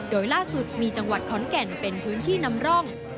โดยล่าสุดมีจังหวัดขอนแก่นเป็นพื้นที่นำร่อง